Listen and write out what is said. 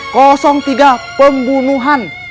kosong tiga pembunuhan